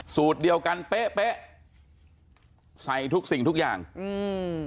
สูตรเดียวกันเป๊ะเป๊ะใส่ทุกสิ่งทุกอย่างอืม